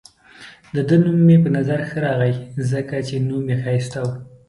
د ده نوم مې په نظر ښه راغلی، ځکه چې نوم يې ښایسته وو.